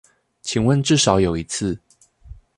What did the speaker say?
請問至少有一次